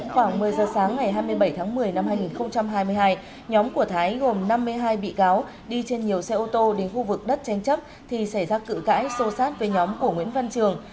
khoảng một mươi giờ sáng ngày hai mươi bảy tháng một mươi năm hai nghìn hai mươi hai nhóm của thái gồm năm mươi hai bị cáo đi trên nhiều xe ô tô đến khu vực đất tranh chấp thì xảy ra cự cãi sâu sát với nhóm của nguyễn văn trường